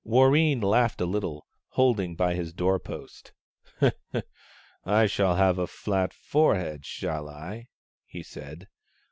Wan een laughed a Httle, holding by his door post. " I shall have a flat forehead, shall I ?" he said.